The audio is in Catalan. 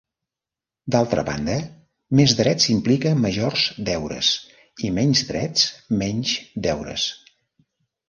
D'altra banda, més drets implica majors deures i menys drets, menys deures.